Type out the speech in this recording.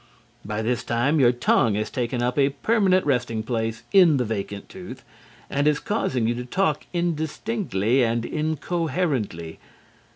By this time, your tongue has taken up a permanent resting place in the vacant tooth, and is causing you to talk indistinctly and incoherently.